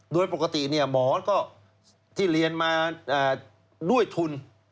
โดยปกติหมอก็ที่เรียนมาด้วยทุน